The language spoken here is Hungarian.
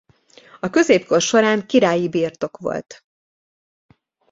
A középkor során királyi birtok volt.